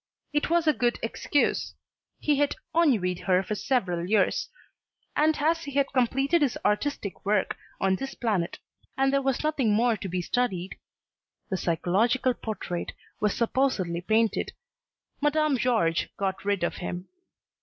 It was a good excuse. He had ennuied her for several years, and as he had completed his artistic work on this planet and there was nothing more to be studied, the psychological portrait was supposedly painted Madame George got rid of him.